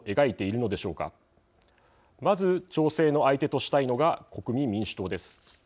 まず調整の相手としたいのが国民民主党です。